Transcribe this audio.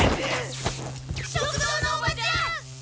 食堂のおばちゃん！